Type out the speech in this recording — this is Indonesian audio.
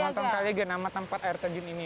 montongkaliaga nama tempat air terjun ini